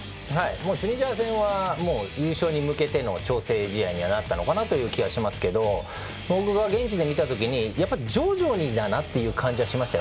チュニジア戦は優勝に向けての調整試合になったのかなという気はしますが僕が現地で見た時にやっぱり徐々にだなという感じはしましたよ。